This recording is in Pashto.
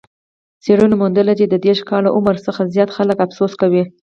څېړنو موندلې چې د دېرش کاله عمر څخه زیات خلک افسوس کوي.